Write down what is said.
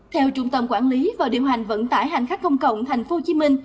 theo trung tâm quản lý và điều hành vận tải hành khách công cộng tp hcm